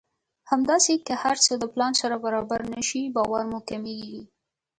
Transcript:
همداسې که هر څه د پلان سره برابر نه شي باور مو کمېږي.